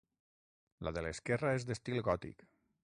La de l'esquerra és d'estil gòtic.